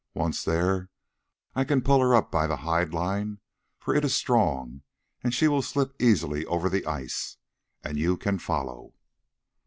Once there I can pull her up by the hide line, for it is strong, and she will slip easily over the ice, and you can follow."